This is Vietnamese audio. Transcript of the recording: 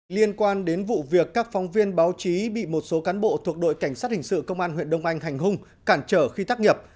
liên quan đến vụ việc các phóng viên báo chí bị một số cán bộ thuộc đội cảnh sát hình sự công an huyện đông anh hành hung cản trở khi tác nghiệp